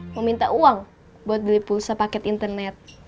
mau minta uang buat beli pulsa paket internet